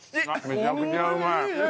めちゃくちゃうまい。